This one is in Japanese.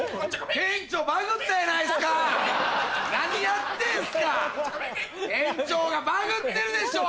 店長がバグってるでしょ！